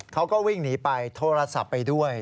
เขาก็วิ่งหนีไปโทรศัพท์ไปด้วย